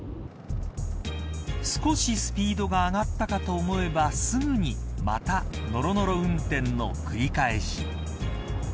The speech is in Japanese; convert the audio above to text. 少しスピードが上がったかと思えばすぐに、またノロノロ運転の繰り返し。